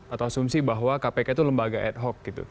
atau asumsi bahwa kpk itu lembaga ad hoc gitu